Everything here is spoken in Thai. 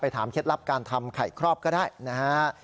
ถามเคล็ดลับการทำไข่ครอบก็ได้นะฮะ